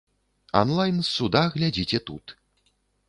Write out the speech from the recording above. Анлайн з суда глядзіце тут.